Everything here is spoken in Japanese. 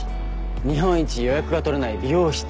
日本一予約が取れない美容室。